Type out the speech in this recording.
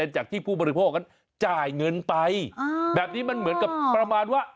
จากที่ผู้บริโภคนั้นจ่ายเงินไปแบบนี้มันเหมือนกับประมาณว่า